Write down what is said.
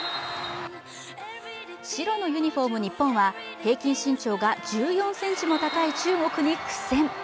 白のユニフォーム・日本は平均身長が１４ｃｍも高い中国に苦戦。